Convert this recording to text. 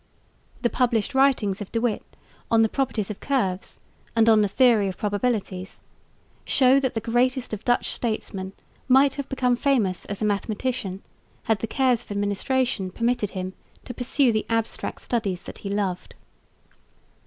The published writings of De Witt on "the properties of curves" and on "the theory of probabilities" show that the greatest of Dutch statesmen might have become famous as a mathematician had the cares of administration permitted him to pursue the abstract studies that he loved.